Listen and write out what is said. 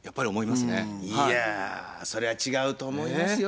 いやそれは違うと思いますよ